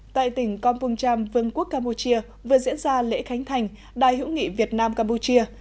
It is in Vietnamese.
tại tỉnh kompong cham vương quốc campuchia vừa diễn ra lễ khánh thành đài hữu nghị việt nam campuchia